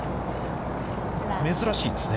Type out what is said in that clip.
珍しいですね。